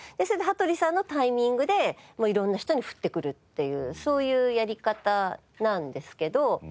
それで羽鳥さんのタイミングで色んな人に振ってくるっていうそういうやり方なんですけど。